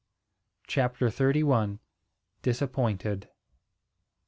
CHAPTER THIRTY ONE. DISAPPOINTED.